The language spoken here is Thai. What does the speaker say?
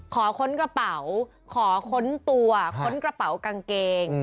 ค้นกระเป๋าขอค้นตัวค้นกระเป๋ากางเกง